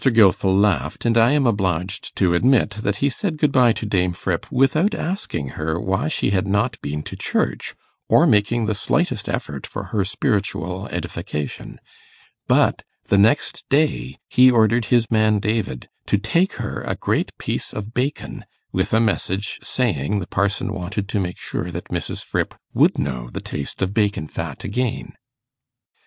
Gilfil laughed, and I am obliged to admit that he said good bye to Dame Fripp without asking her why she had not been to church, or making the slightest effort for her spiritual edification. But the next day he ordered his man David to take her a great piece of bacon, with a message, saying, the parson wanted to make sure that Mrs. Fripp would know the taste of bacon fat again.